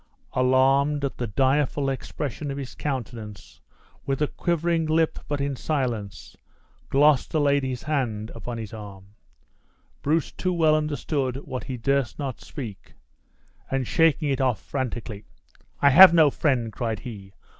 Alarmed at the direful expression of his countenance, with a quivering lip, but in silence, Gloucester laid his hand upon his arm. Bruce too well understood what he durst not speak, and, shaking it off, frantically: "I have no friend!" cried he.